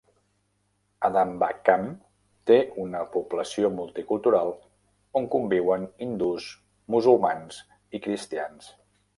Adambakkam té una població multicultural on conviuen hindús, musulmans i cristians.